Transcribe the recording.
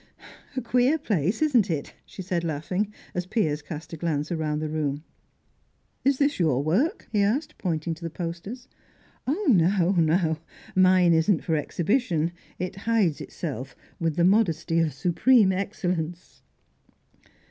"A queer place, isn't it?" she said, laughing, as Piers cast a glance round the room. "Is this your work?" he asked, pointing to the posters. "No, no! Mine isn't for exhibition. It hides itself with the modesty of supreme excellence!"